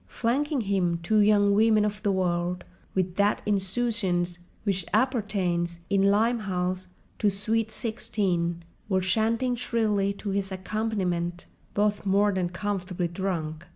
Flanking him, two young women of the world, with that insouciance which appertains—in Limehouse—to sweet sixteen, were chanting shrilly to his accompaniment: both more than comfortably drunk.